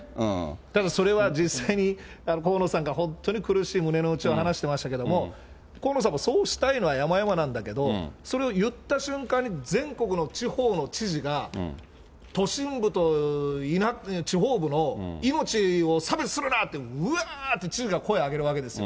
だけどそれは実際に、河野さんが、本当に苦しい胸の内を話してましたけど、河野さんもそうしたいのはやまやまなんだけど、それを言った瞬間に、全国の地方の知事が、都心部と地方部の命を差別するなって、うわーって知事が声を上げるわけですよ。